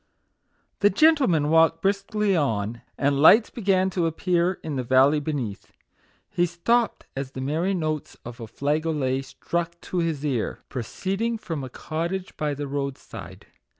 The gentleman walked briskly on, and lights MAGIC WORDS. 5 began to appear in the valley beneath. He stopped as the merry notes of a flageolet struck his ear, proceeding from a cottage by the road side.